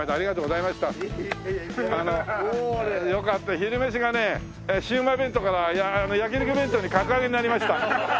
昼飯がねシュウマイ弁当から焼き肉弁当に格上げになりました。